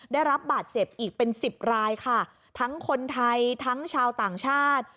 ได้รับบาดเจ็บอีกเป็นสิบรายค่ะทั้งคนไทยทั้งชาวต่างชาติ